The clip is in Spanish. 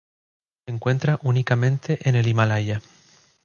Se encuentra únicamente en el Himalaya.